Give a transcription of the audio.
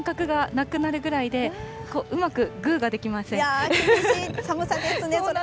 もうちょっと感覚がなくなるぐらいで、うまくグーができません。